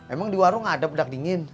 emang di warung ada pedak dingin